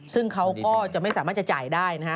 ซึ่งเขาก็จะไม่สามารถจะจ่ายได้นะฮะ